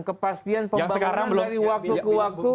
kepastian pembakaran dari waktu ke waktu